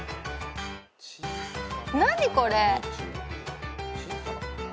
何これ？